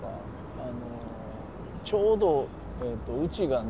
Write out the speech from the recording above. あのちょうどうちがね